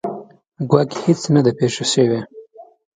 ګواکې هیڅ نه ده پېښه شوې.